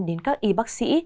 đến các y bác sĩ